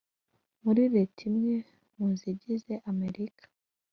muri leta imwe muzigize amerika.